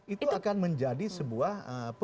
itu akan menjadi sebuah